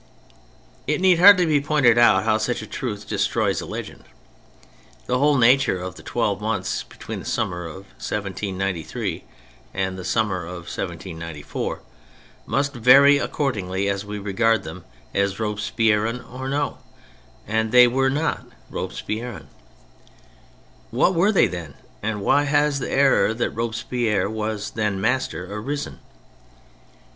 It need hardly be pointed out how such a truth destroys such a legend. The whole nature of the twelve months between the summer of 1793 and the summer of 1794 must vary according as we regard them as Robespierrean or no : and they w^ere not Robespierrean. What were they then, and why has the error that Robespierre was then master, arisen